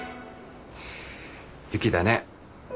雪だね。